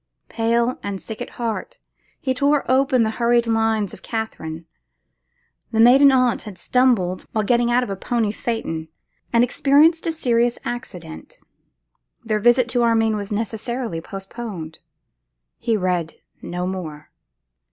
Pale and sick at heart, he tore open the hurried lines of Katherine. The maiden aunt had stumbled while getting out of a pony phaeton, and experienced a serious accident; their visit to Armine was necessarily postponed. He read no more.